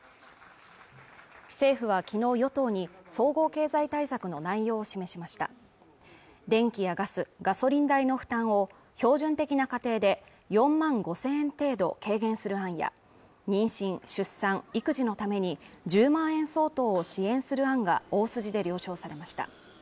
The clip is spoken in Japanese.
政府はきのう与党に総合経済対策の内容を示しました電気やガス、ガソリン代の負担を標準的な家庭で４万５０００円程度軽減する案や妊娠、出産、育児のために１０万円相当を支援する案が大筋で了承されました